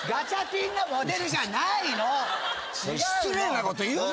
失礼なこと言うな！